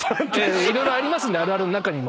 色々ありますんであるあるの中にも。